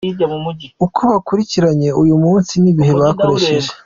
Uko bakurikiranye uyu munsi n’ibihe bakoresheje:.